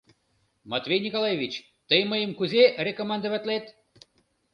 — Матвей Николаевич, тый мыйым кузе рекомендоватлет!